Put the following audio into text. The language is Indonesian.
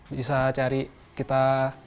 bisa cari kita